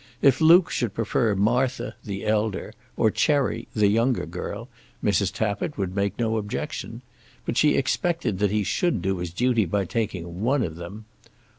If Luke should prefer Martha, the elder, or Cherry, the younger girl, Mrs. Tappitt would make no objection; but she expected that he should do his duty by taking one of them.